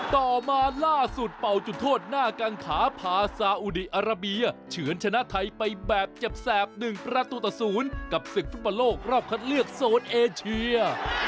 ต่อมาล่าสุดเป่าจุดโทษหน้ากังขาพาซาอุดีอาราเบียเฉือนชนะไทยไปแบบเจ็บแสบ๑ประตูต่อ๐กับศึกฟุตบอลโลกรอบคัดเลือกโซนเอเชีย